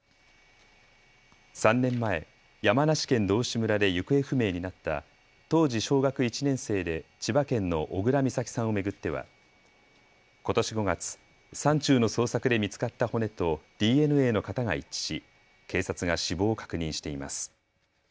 ３年前、山梨県道志村で行方不明になった当時、小学１年生で千葉県の小倉美咲さんを巡ってはことし５月、山中の捜索で見つかった骨とＤＮＡの型が一致し警察が死亡を確認しています。